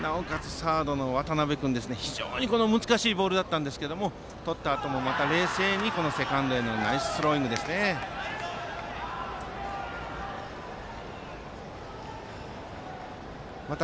サードの渡邉君は非常に難しいボールでしたがとったあとも冷静にセカンドへのナイススローイングでした。